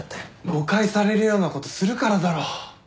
誤解されるようなことするからだろ。